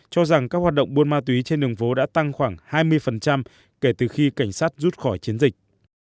cho rằng các hoạt động buôn ma túy trên đường phố đã tăng khoảng hai mươi kể từ khi cảnh sát rút khỏi chiến dịch